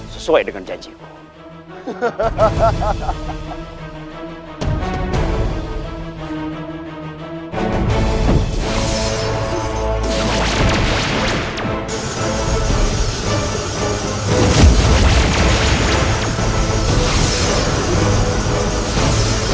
sesuai dengan janjimu